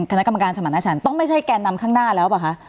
คณะกรรมการสมรรถฉันต้องไม่ใช่แกนนำข้างหน้าแล้วป่ะคะ